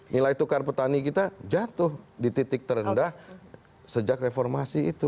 nilai tukar petani kita jatuh di titik terendah sejak reformasi itu